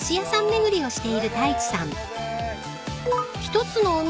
巡りをしている太一さん］